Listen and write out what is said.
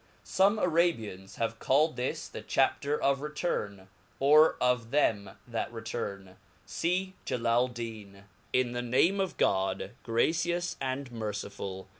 Sffffte Arabians have called this the Chapter of Retnrn, or of them that return, See GclaUlm. IN the Name of God, gracious and merciful!.